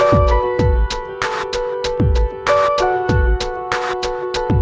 หยุดร้ายโพลย์จุดเวลารุน๘๘๘